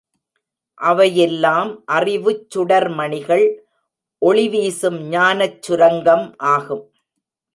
அவையெல்லாம் அறிவுச் சுடர்மணிகள் ஒளிவீசும் ஞானச் சுரங்கம் ஆகும்.